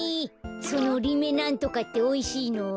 そのリメなんとかっておいしいの？